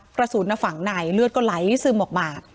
กระสุนฝั่งในเลือดก็ไหลซึมออกมา